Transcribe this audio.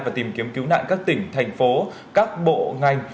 và tìm kiếm cứu nạn các tỉnh thành phố các bộ ngành